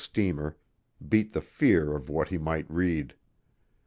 steamer, beat the fear of what he might read.